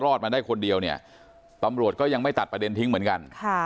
มาได้คนเดียวเนี่ยตำรวจก็ยังไม่ตัดประเด็นทิ้งเหมือนกัน